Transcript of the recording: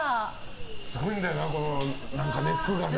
すごいんだよな、熱がね。